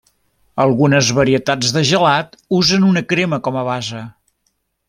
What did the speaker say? Algunes varietats de gelat usen una crema com a base.